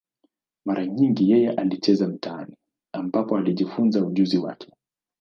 Mara nyingi yeye alicheza mitaani, ambapo alijifunza ujuzi wake.